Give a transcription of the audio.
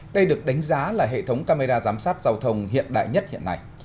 đây được đánh giá là hệ thống camera giám sát giao thông hiện đại nhất hiện nay